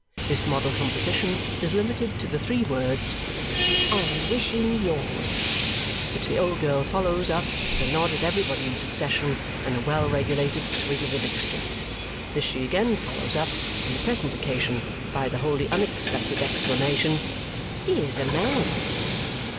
This model composition is limited to the three words "And wishing yours!" which the old girl follows up with a nod at everybody in succession and a well regulated swig of the mixture. This she again follows up, on the present occasion, by the wholly unexpected exclamation, "Here's a man!"